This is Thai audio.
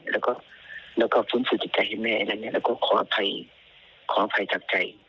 แล้วก็ฟุ้นฟูจิใจให้แม่แล้วก็ขออภัยจากใจ